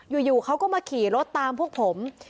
อยู่เขาก็มาขี่รถตามพวกผม